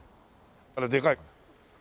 あれでかい。